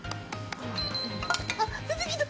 あ！出てきた！